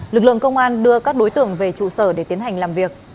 lực lượng công an đưa các đối tượng về trụ sở để tiến hành làm việc